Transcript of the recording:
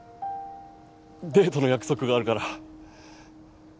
デートの約束があるから。